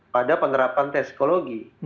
pada penerapan tes psikologi